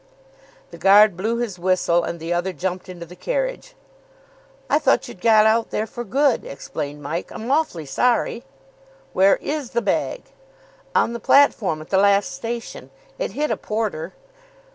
The guard blew his whistle, and the other jumped into the carriage. "I thought you'd got out there for good," explained Mike. "I'm awfully sorry." "Where is the bag?" "On the platform at the last station. It hit a porter."